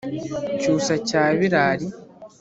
cyusa cya birari